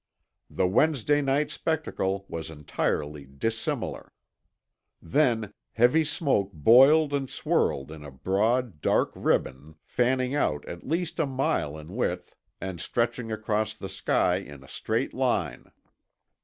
The Wednesday night spectacle was entirely dissimilar. Then, heavy smoke boiled and swirled in a broad, dark ribbon fanning out at least a mile in width and stretching across the sky in a straight line.